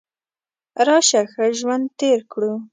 راشه ښه ژوند تیر کړو .